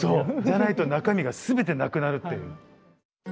じゃないと中身が全てなくなるっていう。